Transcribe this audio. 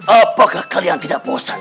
apakah kalian tidak bosan